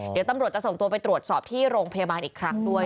เดี๋ยวตำรวจจะส่งตัวไปตรวจสอบที่โรงพยาบาลอีกครั้งด้วย